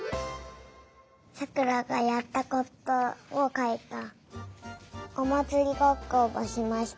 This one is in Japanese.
さくらがやったことをかいた。